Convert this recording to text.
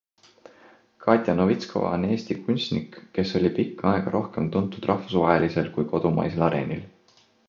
Katja Novitskova on Eesti kunstnik, kes oli pikka aega rohkem tuntud rahvusvahelisel kui kodumaisel areenil.